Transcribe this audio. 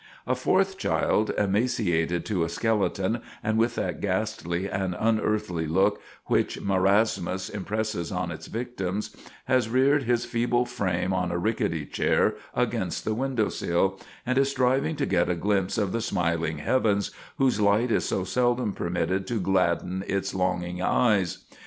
A fourth child, emaciated to a skeleton, and with that ghastly and unearthly look which marasmus impresses on its victims, has reared his feeble frame on a rickety chair against the window sill, and is striving to get a glimpse of the smiling heavens, whose light is so seldom permitted to gladden its longing eyes.